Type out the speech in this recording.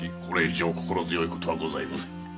これ以上心強いことはございません。